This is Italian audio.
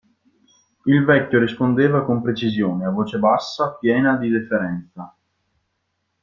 Il vecchio rispondeva con precisione, a voce bassa, piena di deferenza.